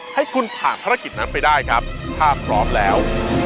ให้คุณผ่านภารกิจนั้นไปได้ครับถ้าพร้อมแล้ว